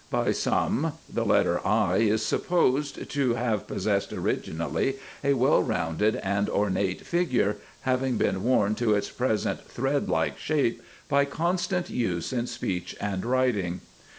By some the letter I is supposed to have possessed originally a well rounded and ornate figure, having been worn to its present thread like shape by constant use in speech and writing.